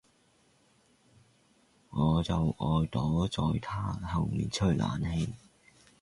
我就愛躲在他後面吹冷氣